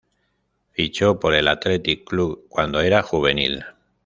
Fichó por el Athletic Club cuando era juvenil.